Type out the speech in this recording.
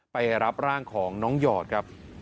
ไปรับร่างของน้องหยอดครับ